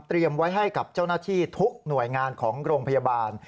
ไว้ให้กับเจ้าหน้าที่ทุกหน่วยงานของโรงพยาบาล